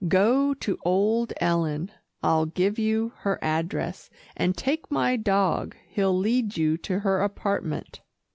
"Go to old Ellen, I'll give you her address, and take my dog. He'll lead you to her apartment."